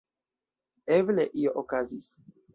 Eble, io okazis.